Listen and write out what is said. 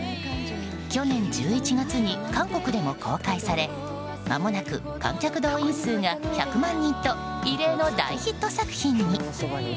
去年１１月に韓国でも公開されまもなく観客動員数が１００万人と異例の大ヒット作品に。